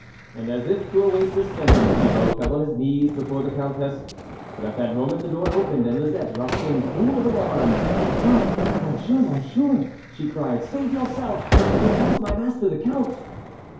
And, as if to await this sentence, Thi bault fell on his knees before the Countess, but at that moment, the door opened, and Lisette rushed in full of alarm. " Ah ! Monsieur, Monsieur " she cried " save yourself ! here comes my master the Count